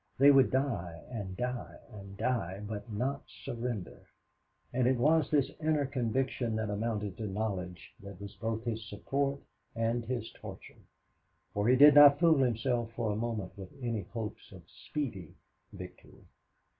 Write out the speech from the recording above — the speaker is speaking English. They would die and die and die but not surrender; and it was this inner conviction that amounted to knowledge that was both his support and his torture, for he did not fool himself for a moment with any hopes of speedy victory.